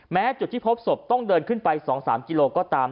จุดที่พบศพต้องเดินขึ้นไป๒๓กิโลก็ตาม